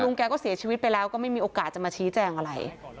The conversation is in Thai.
แกก็เสียชีวิตไปแล้วก็ไม่มีโอกาสจะมาชี้แจงอะไร